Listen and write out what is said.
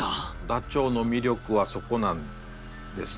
ダチョウの魅力はそこなんですね。